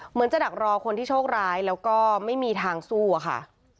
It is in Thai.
เหมือนจะดักรอคนที่โชคร้ายแล้วก็ไม่มีทางสู้อะค่ะ